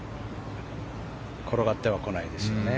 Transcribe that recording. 転がってはこないですよね。